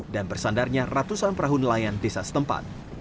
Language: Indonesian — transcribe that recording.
dan bersandarnya ratusan perahu nelayan desa setempat